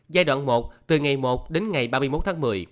giai đoạn một từ ngày một đến ngày ba mươi một tháng một mươi